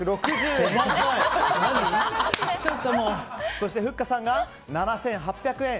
そしてふっかさんが７８００円。